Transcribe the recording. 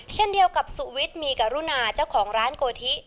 เช่นเดียวกับสุวิทย์มีกรุณาเจ้าของร้านโกธิ